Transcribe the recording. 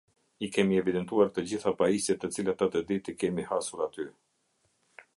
I kemi evidentuar të gjitha pajisjet të cilat atë ditë i kemi hasur aty.